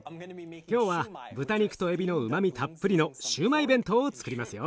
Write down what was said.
今日は豚肉とエビのうまみたっぷりのシューマイ弁当をつくりますよ。